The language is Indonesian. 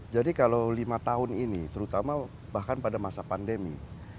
jadi kalau lima tahun ini terutama bahkan pada masa pandemi